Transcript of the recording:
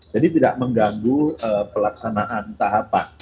jadi tidak mengganggu pelaksanaan tahapan